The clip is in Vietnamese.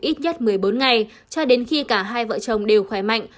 ít nhất một mươi bốn ngày cho đến khi cả hai vợ chồng đều khỏe mạnh